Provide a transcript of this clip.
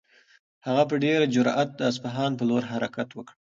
هغه په ډېر جرئت د اصفهان په لور حرکت وکړ.